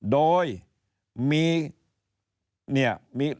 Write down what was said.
โดยมีเนี่ย